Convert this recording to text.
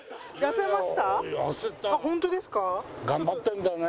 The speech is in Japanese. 頑張ってんだね。